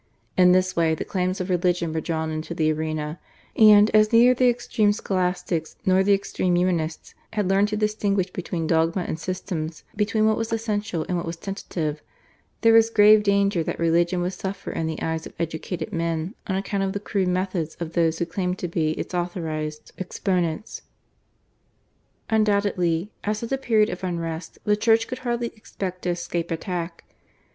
In this way the claims of religion were drawn into the arena, and, as neither the extreme Scholastics nor the extreme Humanists had learned to distinguish between dogmas and systems, between what was essential and what was tentative, there was grave danger that religion would suffer in the eyes of educated men on account of the crude methods of those who claimed to be its authorised exponents. Undoubtedly, at such a period of unrest, the Church could hardly expect to escape attack.